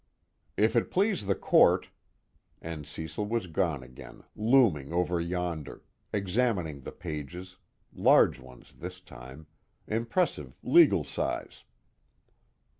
"If it please the Court " and Cecil was gone again, looming over yonder, examining the pages, large ones this time, impressive legal size.